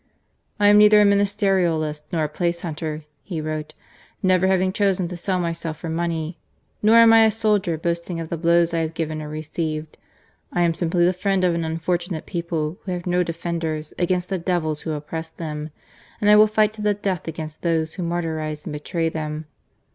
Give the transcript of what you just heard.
" I am neither a ministerialist nor a place hunter," he wrote, "never having chosen to sell myself for money; nor am I a soldier boasting of the blows I have given or received. I am simply the friend of an unfortunate people who have no defenders against the devils who oppress them ; and I will fight to the death against those who martyrize and betray them."